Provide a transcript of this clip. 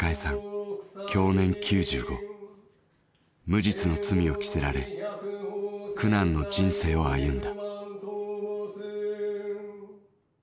無実の罪を着せられ苦難の人生を歩んだ。